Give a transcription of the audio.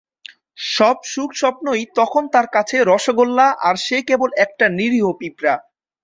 সব সুখ-স্বপ্নই তখন তার কাছে রসগোল্লা, আর সে কেবল একটা নিরীহ পিঁপড়া।